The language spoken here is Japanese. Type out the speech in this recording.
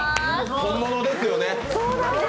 本物ですよね。